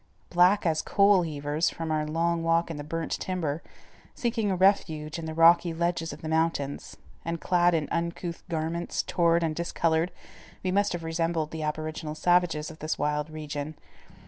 Black as coal heavers from our long walk in the burnt timber, seeking a refuge in the rocky ledges of the mountains, and clad in uncouth garments torn and discolored, we must have resembled the aboriginal savages of this wild region.